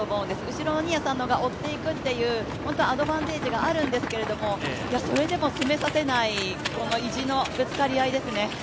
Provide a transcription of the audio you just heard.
後ろの新谷さんの方が追っていくというアドバンテージがあるんですけれども、それでも詰めさせない意地のぶつかり合いですね。